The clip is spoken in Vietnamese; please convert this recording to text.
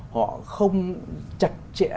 họ không chặt chẽ